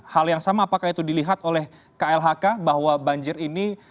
hal yang sama apakah itu dilihat oleh klhk bahwa banjir ini